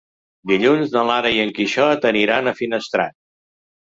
Dilluns na Lara i en Quixot aniran a Finestrat.